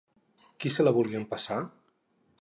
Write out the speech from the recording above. Qui se la volia empassar?